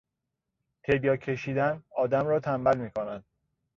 تریاک کشیدن آدم را تنبل میکند.